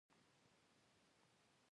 د ادرک ریښه د زړه بدوالي لپاره وکاروئ